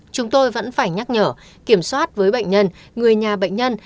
chúng tôi vẫn phải nhắc nhở kiểm soát với bệnh nhân người nhà bệnh nhân